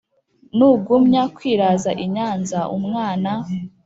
nugumya kwiraza inyanza, umwana